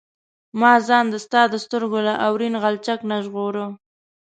ما ځان د ستا د سترګو له اورین غلچک نه ژغوره.